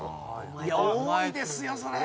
いや多いですよそれ。